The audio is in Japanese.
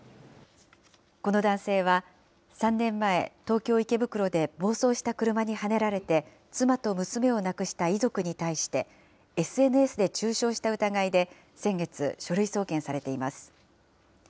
この男性は３年前、東京・池袋で暴走した車にはねられて、妻と娘を亡くした遺族に対して、ＳＮＳで中傷した疑いで先月、書類送検されています。